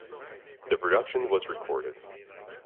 The production was recorded.